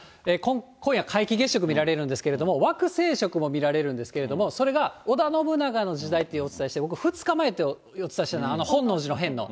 今夜、皆既月食みられるんですが、惑星食も見られるんですけれども、それが織田信長の時代ってお伝えして、僕、２日前ってお伝えしたんですけど、本能寺の変の。